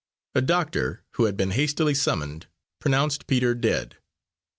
A doctor, who had been hastily summoned, pronounced Peter dead.